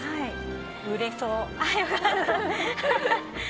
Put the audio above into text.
売れそう。